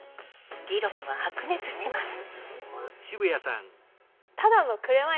議論は白熱します。